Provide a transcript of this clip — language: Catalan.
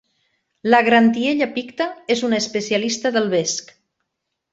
La "Grantiella picta" és una especialista del vesc.